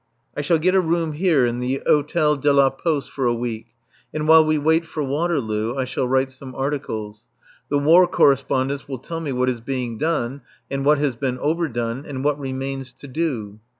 I shall get a room here in the Hôtel de la Poste for a week, and, while we wait for Waterloo, I shall write some articles. The War Correspondents will tell me what is being done, and what has been overdone and what remains to do.